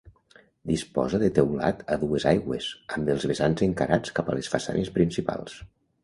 Disposa de teulat a dues aigües, amb els vessants encarats cap a les façanes principals.